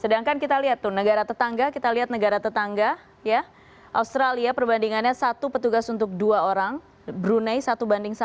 sedangkan kita lihat tuh negara tetangga kita lihat negara tetangga ya australia perbandingannya satu petugas untuk dua orang brunei satu banding satu tiongkok satu banding tiga sampai empat